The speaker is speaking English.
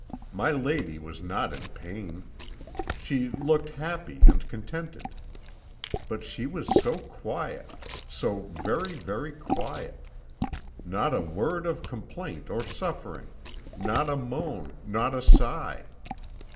My lady was not in pain; she looked happy and contented. But she was so quiet, so very, very quiet! Not a word of complaint or suffering, not a moan, not a sigh.